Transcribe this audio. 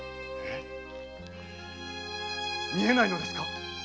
見えないのですか？